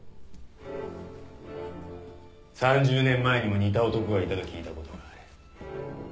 ３０年前にも似た男がいたと聞いたことがある。